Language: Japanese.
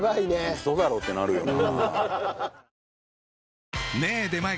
ウソだろってなるよな。